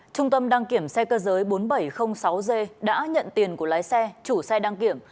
trung tâm đăng kiểm xe cơ giới bốn nghìn bảy trăm linh sáu g đã nhận tiền của lái xe chủ xe đăng kiểm